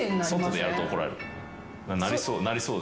なりそう？